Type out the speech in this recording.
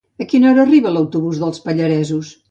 A quina hora arriba l'autobús dels Pallaresos?